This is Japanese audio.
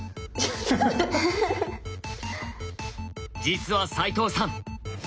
実は齋藤さん